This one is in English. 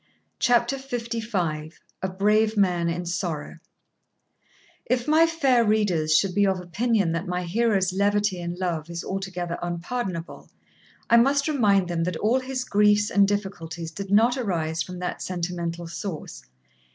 CHAPTER LV A BRAVE MAN IN SORROW Ifmy fair readers should be of opinion that my hero's levity in love is altogether unpardonable, I must remind them that all his griefs and difficulties did not arise from that sentimental source.